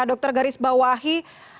dokter garis bawahi